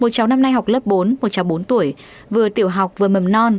một cháu năm nay học lớp bốn một cháu bốn tuổi vừa tiểu học vừa mầm non